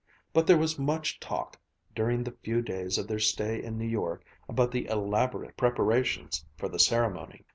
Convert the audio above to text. But there was much talk, during the few days of their stay in New York, about the elaborate preparations for the ceremony.